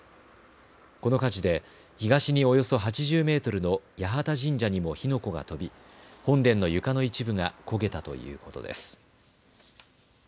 この火事で東におよそ８０メートルの八幡神社にも火の粉が飛び、本殿の床の一部が焦げたということです。